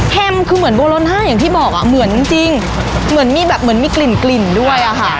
คือเหมือนโบโลน่าอย่างที่บอกอ่ะเหมือนจริงเหมือนมีแบบเหมือนมีกลิ่นกลิ่นด้วยอะค่ะ